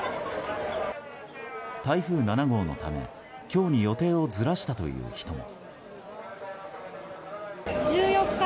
台風７号のため、今日に予定をずらしたという人も。